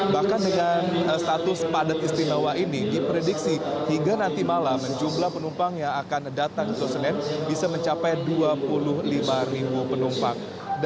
bahkan dengan status padat istimewa ini diprediksi hingga nanti malam jumlah penumpang yang akan datang ke stasiunan bisa mencapai dua puluh lima ribu penumpang